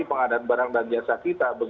pengadaan barang dan jasa kita